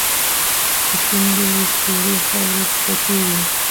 په شونډو یې سپېرې خاوې پرتې وې.